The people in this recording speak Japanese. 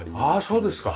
そうですか。